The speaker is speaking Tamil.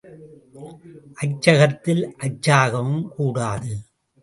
அச்சகத்தில் அச்சாகவும் கூடாது.